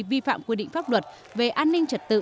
vi phạm quy định pháp luật về an ninh trật tự